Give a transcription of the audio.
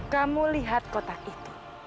kamu lihat kotak itu